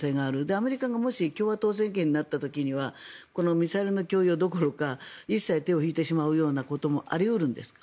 アメリカがもし共和党政権になった時にはミサイルの供与どころか一切手を引いてしまうこともあり得るんですか？